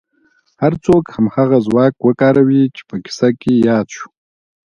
هر څوک هماغه ځواک وکاروي چې په کيسه کې ياد شو.